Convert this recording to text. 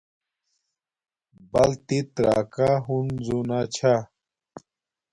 بلتت راکا ہنزو نا چھا